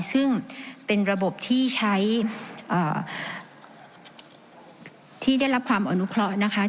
ซึ่งเป็นระบบที่ใช้ที่ได้รับความอนุเคราะห์นะคะ